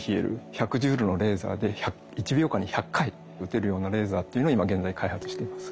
１００ジュールのレーザーで１秒間に１００回撃てるようなレーザーっていうのを今現在開発しています。